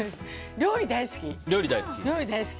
料理大好き。